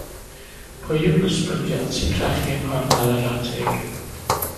Pwy yw'r ysbrydion sy'n llechu yng nghornel yr atig?